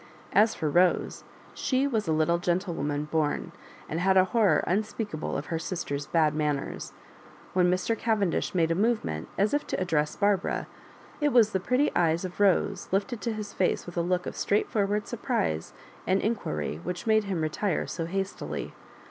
As for Rose, she was a little gentlewoman bom, and had a horror un speakable of her sister^s bad manners. When Mr. Cavendish m^de a movement as if to ad dress Barbara, it was the pretty grey eyes of Rose lifted to his face with a look of straightfor ward surprise and inquiry which made him re tire so hastily.